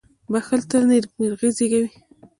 • بښل تل نېکمرغي زېږوي.